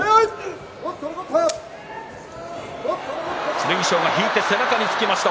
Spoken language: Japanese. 剣翔が引いて背中につきました。